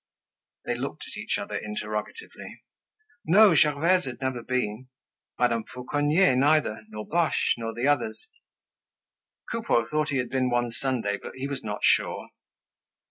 They looked at each other interrogatively. No, Gervaise had never been; Madame Fauconnier neither, nor Boche, nor the others. Coupeau thought he had been one Sunday, but he was not sure.